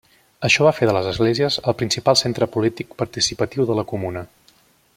Això va fer de les esglésies el principal centre polític participatiu de la Comuna.